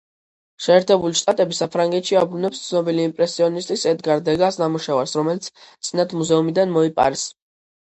შეერთებული შტატები საფრანგეთში აბრუნებს ცნობილი იმპრესიონისტის ედგარ დეგას ნამუშევარს, რომელიც წინათ მუზეუმიდან მოიპარეს.